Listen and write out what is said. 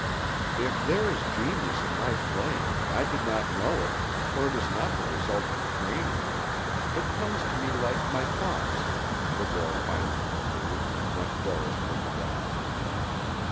"If there is genius in my playing, I did not know it, for it is not the result of training; it comes to me like my thoughts," the girl finally continued, when Dorris looked around.